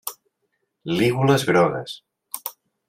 Lígules grogues.